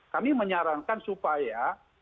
kami menyarankan supaya